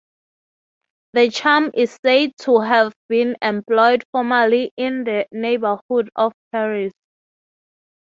The charm is said to have been employed formerly in the neighborhood of Paris.